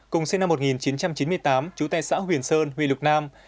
cùng sinh năm một nghìn chín trăm linh